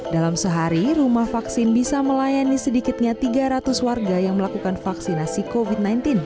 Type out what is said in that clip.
dalam sehari rumah vaksin bisa melayani sedikitnya tiga ratus warga yang melakukan vaksinasi covid sembilan belas